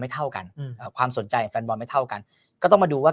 ไม่เท่ากันความสนใจแฟนบอลไม่เท่ากันก็ต้องมาดูว่า